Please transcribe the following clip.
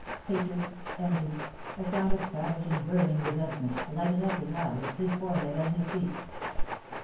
Hatred, envy, a kind of savage and burning resentment, lighted up his eyes, his forehead, and his cheeks.